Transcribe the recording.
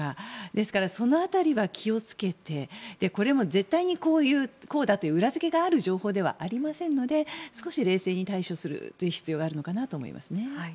ですから、その辺りは気をつけてこれも絶対にこうだという裏付けがある情報ではありませんので少し冷静に対処する必要があるのかなと思いますね。